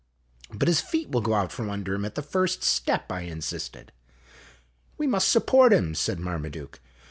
" But his feet will go out from under him at the first step," I insisted. " \Ye must support him," said Marmaduke.